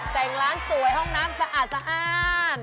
แต่งร้านสวยห้องน้ำสะอาดสะอ้าน